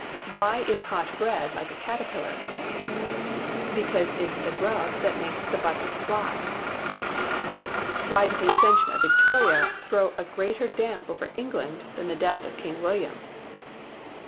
] Why is hot bread like a caterpillar? Because it's the grub that makes the butter fly. Why did the accession of Victoria throw a greater damp over England than the death of King William?